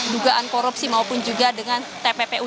dugaan korupsi maupun juga dengan tppu